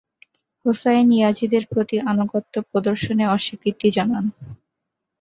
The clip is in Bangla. হোসাইন ইয়াজিদের প্রতি আনুগত্য প্রদর্শনে অস্বীকৃতি জানান।